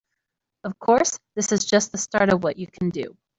Of course, this is just the start of what you can do.